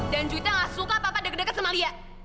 dan juwita gak suka papa deg deget sama lia